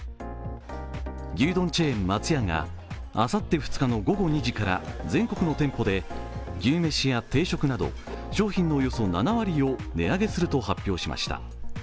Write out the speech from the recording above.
牛丼チェーン・松屋があさって２日の午後２時から全国の店舗で牛めしや定食など商品のおよそ７割を値上げすると発表しました。